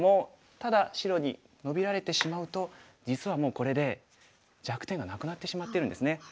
ただ白にノビられてしまうと実はもうこれで弱点がなくなってしまってるんですね。